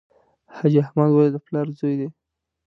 حاجي احمد ولي د پلار زوی دی.